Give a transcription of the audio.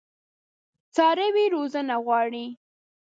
څاروي روزنه غواړي.